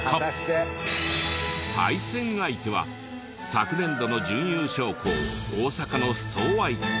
対戦相手は昨年度の準優勝校大阪の相愛。